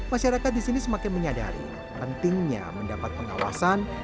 masyarakat di sini semakin menyadari pentingnya mendapat pengawasan